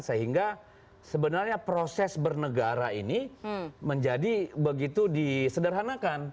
sehingga sebenarnya proses bernegara ini menjadi begitu disederhanakan